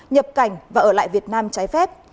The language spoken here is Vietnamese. nhập cảnh và ở lại việt nam trái phép